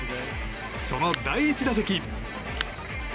その第１打席。